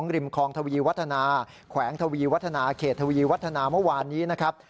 ริมคลองทวีวัฒนาแขวงทวีวัฒนาเขตทวีวัฒนาเมื่อวานนี้นะครับ